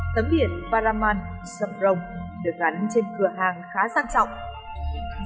tấm biển paraman sạc rồng được gắn trên cửa hàng khá sang trọng